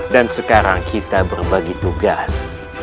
sekarang kita berbagi tugas